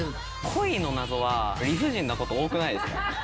恋の謎は理不尽なこと多くないですか？